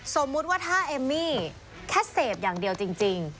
สมมุติว่าถ้าเอมมี่แค่เสพอย่างเดียวจริง